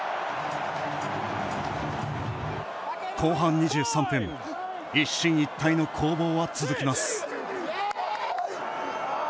後半２３分一進一退の攻防は続きます。